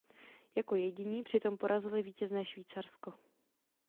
Jako jediní přitom porazili vítězné Švýcarsko.